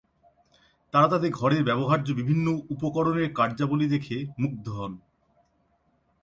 তারা তাদের ঘরের ব্যবহার্য বিভিন্ন উকরণের কার্যাবলি দেখে মুগ্ধ হন।